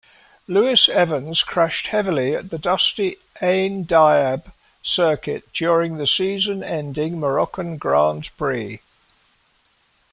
Lewis-Evans crashed heavily at the dusty Ain-Diab circuit during the season-ending Moroccan Grand Prix.